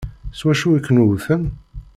S wacu i ken-wwten?